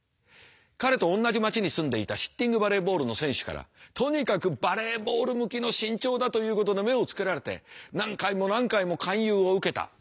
彼と同じ町に住んでいたシッティングバレーボールの選手からとにかくバレーボール向きの身長だということで目をつけられて何回も何回も勧誘を受けた。